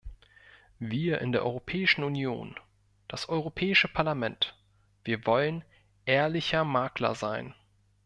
Wir in der Europäischen Union, das Europäische Parlament, wir wollen ehrlicher Makler sein.